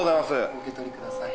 ・お受け取りください。